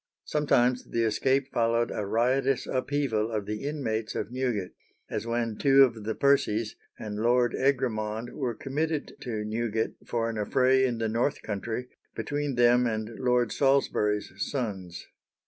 Sometimes the escape followed a riotous upheaval of the inmates of Newgate, as when two of the Percies and Lord Egremond were committed to Newgate for an affray in the North Country between them and Lord Salisbury's sons.